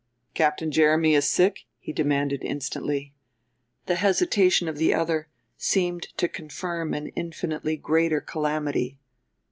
"Captain Jeremy is sick?" he demanded instantly. The hesitation of the other seemed to confirm an infinitely greater calamity.